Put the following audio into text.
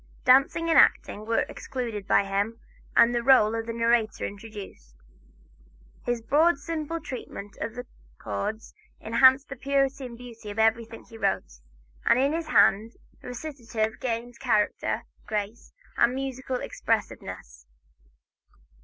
Dancing and acting were excluded by him, and the rôle of narrator introduced. His broad, simple treatment of chords enhanced the purity and beauty of everything he wrote, and in his hand recitative gained character, grace and musical expressiveness.